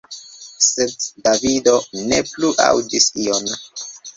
Sed Davido ne plu aŭdis ion.